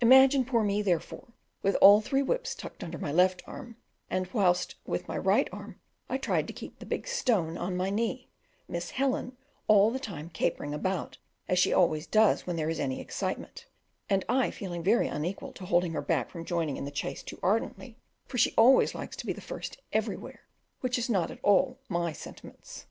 Imagine poor me, therefore, with all three whips tucked under my left arm, whilst with my right I tried to keep the big stone on my knee, Miss Helen all the time capering about, as she always does when there is any excitement; and I feeling very unequal to holding her back from joining in the chase too ardently, for she always likes to be first everywhere, which is not at all my "sentiments."